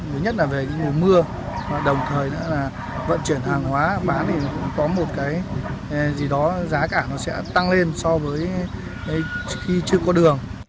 đầu nhất là về mùa mưa đồng thời là vận chuyển hàng hóa bán thì có một cái gì đó giá cả nó sẽ tăng lên so với khi chưa có đường